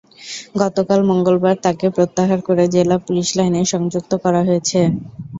গতকাল মঙ্গলবার তাঁকে প্রত্যাহার করে জেলা পুলিশ লাইনে সংযুক্ত করা হয়েছে।